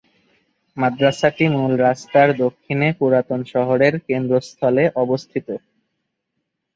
মাদ্রাসাটি মূল রাস্তার দক্ষিণে পুরাতন শহরের কেন্দ্রস্থলে অবস্থিত।